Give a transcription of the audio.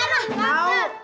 gigi gue ntar patah